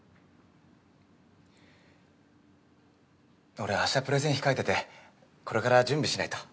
俺明日プレゼン控えててこれから準備しないと。